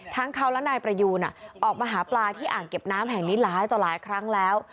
ทั้งเขาและนายประยูนออกมาหาปลาที่อ่างเก็บน้ำแห่งนี้หลายต่อหลายครั้งแล้ว